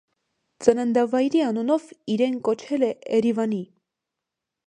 Ծննդավայրի անունով իրեն կոչել է էրիվանի։